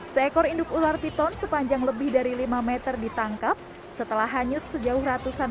seekor induk ular piton sepanjang lebih dari lima meter ditangkap setelah hanyut sejauh ratusan